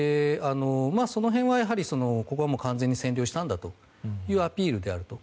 その辺は、ここは完全に占領したんだというアピールであると。